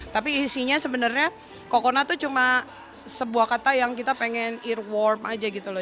tapi isinya sebenarnya coconut tuh cuma sebuah kata yang kita pengen ear warm aja gitu loh